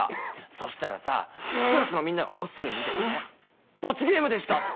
そしたらさぁクラスのみんながこっそり見ててね「罰ゲームでした！」